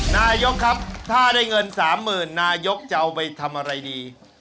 นายกครับถ้าได้เงิน๓๐๐๐นายกจะเอาไปทำอะไรดี